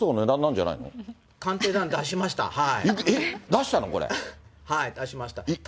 はい、出しました。